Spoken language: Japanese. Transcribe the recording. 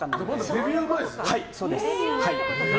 デビュー前ですね。